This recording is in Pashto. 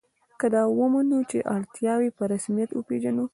که دا ومنو چې اړتیاوې په رسمیت وپېژنو.